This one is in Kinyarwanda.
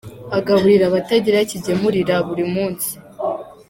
Agaburira batagira kigemurira buri munsi